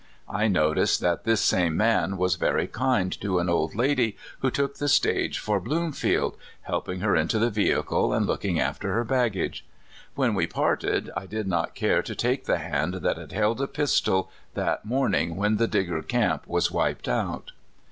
I noticed that this same man was very kind to an old lady who took the stage for Bloom field — helping her into the vehicle, and looking after her baggage. When we parted, I did not care to take the hand that had held a pistol that morning when the Digger camp was " wiped out."